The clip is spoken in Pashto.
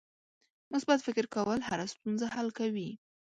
مثبت فکر کول هره ستونزه حل کوي.